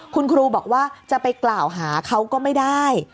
คุณครูบอกว่าจะไปกล่าวหาเขาก็ไม่ได้